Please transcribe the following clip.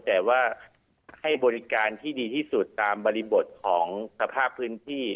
แต่ว่าให้บริการที่ดีที่สุดตามบริบทของสภาพพื้นที่